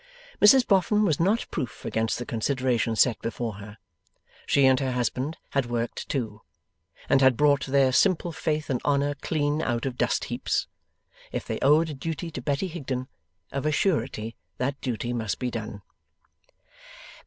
Mrs Boffin was not proof against the consideration set before her. She and her husband had worked too, and had brought their simple faith and honour clean out of dustheaps. If they owed a duty to Betty Higden, of a surety that duty must be done.